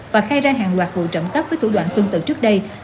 và khai ra hàng loạt vụ trậm cấp với thủ đoạn tương tự trước đây